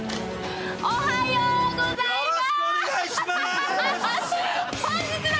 おはようございます。